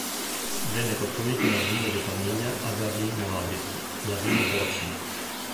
Venne costruita la villa di famiglia a Berlin-Moabit, la "Villa Borsig".